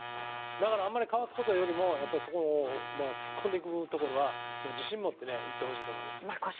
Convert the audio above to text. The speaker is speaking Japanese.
だから、かわすことよりも突っ込んでいくところは自信を持っていってほしいです。